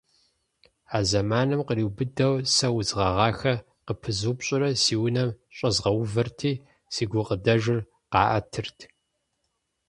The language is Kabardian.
А зэманым къриубыдэу сэ удз гъэгъахэр къыпызупщӀурэ си унэм щӀэзгъэувэрти, си гукъыдэжыр къаӀэтырт.